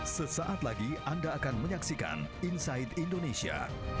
sesaat lagi anda akan menyaksikan inside indonesia